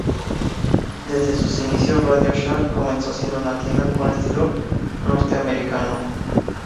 Desde sus inicios RadioShack comenzó siendo una tienda con estilo Norteamericano.